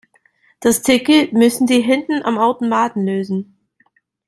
Das Ticket müssen Sie hinten am Automaten lösen.